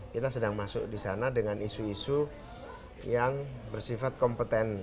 kita sedang masuk di sana dengan isu isu yang bersifat kompeten